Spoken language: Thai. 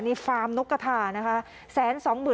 นี่ฟาร์มนกกะทานะครับ